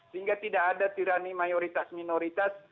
sehingga tidak ada tirani mayoritas minoritas